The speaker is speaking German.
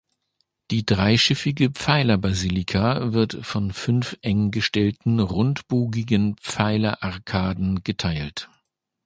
Die dreischiffige Pfeilerbasilika wird von fünf eng gestellten rundbogigen Pfeilerarkaden geteilt.